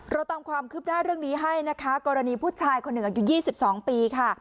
เราตามความคืบหน้าเรื่องนี้ให้นะคะกรณีผู้ชายคนหนึ่งอายุ๒๒ปีค่ะ